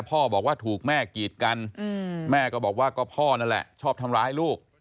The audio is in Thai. บอกว่าถูกแม่กีดกันแม่ก็บอกว่าก็พ่อนั่นแหละชอบทำร้ายลูก